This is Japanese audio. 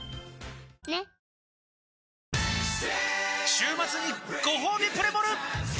週末にごほうびプレモル！